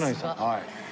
はい。